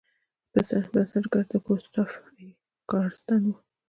بنسټګر یې ګوسټاف ای کارستن و.